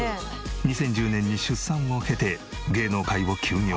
２０１０年に出産を経て芸能界を休業。